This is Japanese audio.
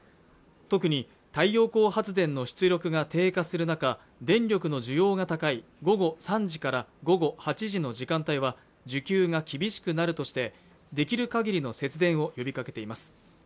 特に太陽光発電の出力が低下する中電力の需要が高い午後３時から午後８時の時間帯は需給が厳しくなるとしてできるかぎりの節電を呼びかけています